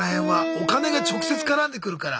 お金が直接絡んでくるから。